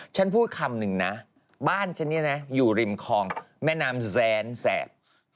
ฉันพูดคำหนึ่งนะบ้านฉันเนี่ยนะอยู่ริมคลองแม่น้ำแสนแสบ